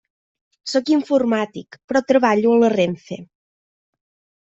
Sóc informàtic, però treballo a la RENFE.